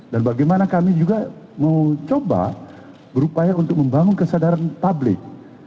dan bagaimana kami juga mau coba berupaya untuk membangun kesadaran publik